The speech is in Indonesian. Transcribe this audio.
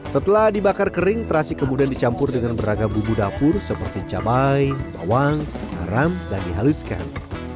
setelah dibakar kering terasi kemudian dicampur dengan beragam bumbu dapur seperti cabai bawang garam dan dihaluskan